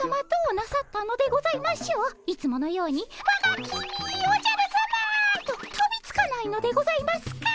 いつものように「わがきみ！おじゃるさま！」ととびつかないのでございますか？